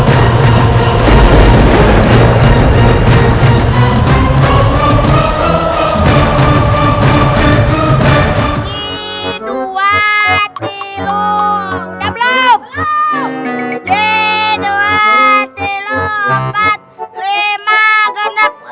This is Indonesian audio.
selasi selasi bangun